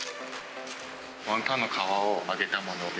ワンタンの皮を揚げたもので